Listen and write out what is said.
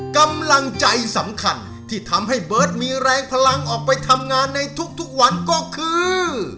กำลังใจสำคัญที่ทำให้เบิร์ตมีแรงพลังออกไปทำงานในทุกวันก็คือ